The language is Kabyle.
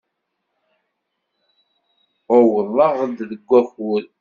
Uwḍeɣ-d deg wakud.